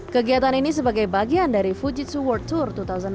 kegiatan ini sebagai bagian dari fujitsu world tour dua ribu delapan belas